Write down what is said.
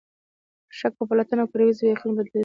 شک په پلټنه او ګروېږنه په یقین بدلېدای شي.